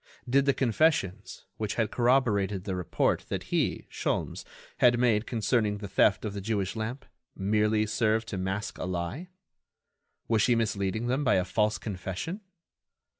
Did the confessions, which had corroborated the report that he, Sholmes, had made concerning the theft of the Jewish lamp, merely serve to mask a lie? Was she misleading them by a false confession?